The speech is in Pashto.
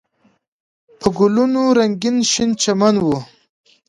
په ګلونو رنګین شین چمن و.